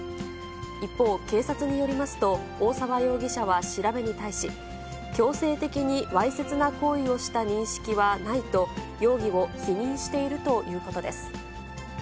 一方、警察によりますと、大沢容疑者は調べに対し、強制的にわいせつな行為をした認識はないと、容疑を否認しているということです。